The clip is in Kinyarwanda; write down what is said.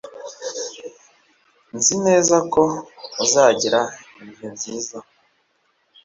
Nzi neza ko uzagira ibihe byiza.